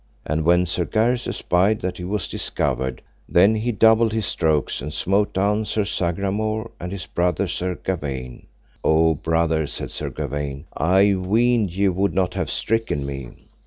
And when Sir Gareth espied that he was discovered, then he doubled his strokes, and smote down Sir Sagramore, and his brother Sir Gawaine. O brother, said Sir Gawaine, I weened ye would not have stricken me.